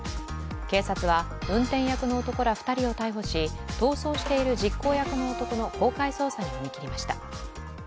警察は運転役の男ら２人を逮捕し逃走している実行役の男の公開捜査に踏み切りました。